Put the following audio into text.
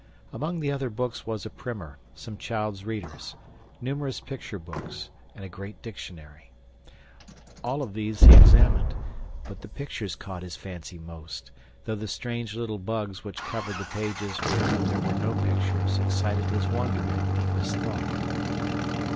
Among the other books were a primer, some child's readers, numerous picture books, and a great dictionary. All of these he examined, but the pictures caught his fancy most, though the strange little bugs which covered the pages where there were no pictures excited his wonder and deepest thought.